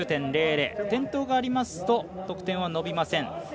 転倒がありますと得点は伸びません。